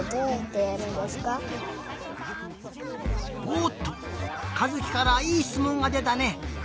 おっとかずきからいいしつもんがでたね！